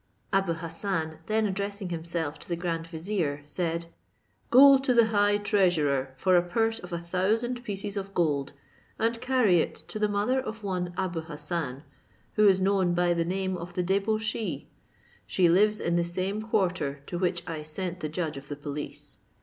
Abou Hassan, then addressing himself to the grand vizier, said, "Go to the high treasurer for a purse of a thousand pieces of gold, and carry it to the mother of one Abou Hassan, who is known by the name of the debauchee; she lives in the same quarter to which I sent the judge of the police.